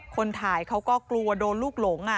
คนถ่ายเขาก็กลัวโดนลูกหลง